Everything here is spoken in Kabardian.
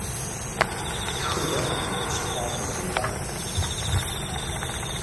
Тхыгъэр къазэрыпщыхъуар къызжеӏэж.